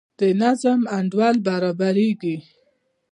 د نظم انډول برابریږي.